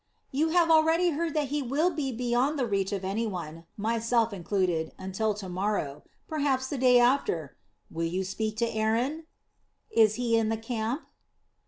"You have already heard that he will be beyond the reach of any one, myself included, until to morrow, perhaps the day after. Will you speak to Aaron?" "Is he in the camp?"